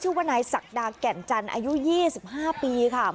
ชื่อว่านายศักดาแก่นจันทร์อายุ๒๕ปีค่ะ